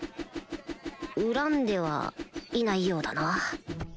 恨んではいないようだな